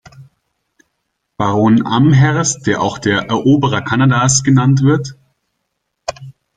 Baron Amherst, der auch der "Eroberer Kanadas" genannt wird.